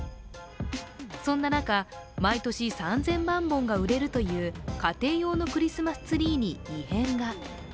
そんな中、毎年３０００万本が売れるという家庭用のクリスマスツリーに異変が。